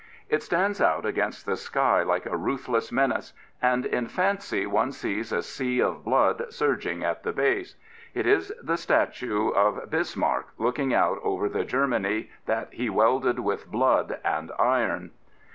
It stands out against the sky like a ruthless menace, and in fancy one sees a sea of blood surging at the base. It is the statue of Bis marck looking out over the Germany that he welded with blood and iron.